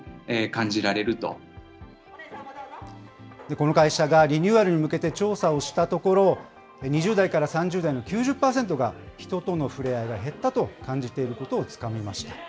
この会社がリニューアルに向けて調査をしたところ、２０代から３０代の９０％が、人との触れ合いが減ったと感じていることをつかみました。